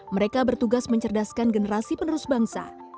mereka bertugas mencerdaskan generasi penerus bangsa